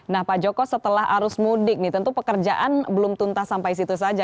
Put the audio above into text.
nah pak joko setelah arus mudik nih tentu pekerjaan belum tuntas sampai situ saja